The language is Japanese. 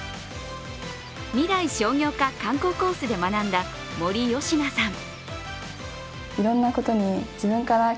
みらい商業科観光コースで学んだ森美菜さん。